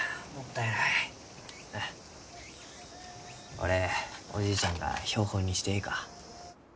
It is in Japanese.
これおじいちゃんが標本にしてえいか？